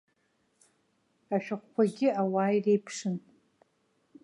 Ашәҟәқәагьы ауаа иреиԥшын.